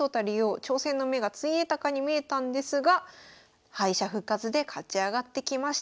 挑戦の目がついえたかに見えたんですが敗者復活で勝ち上がってきました。